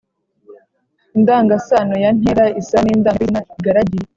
indangasano ya ntera isa n’indanganteko y’izina igaragiye.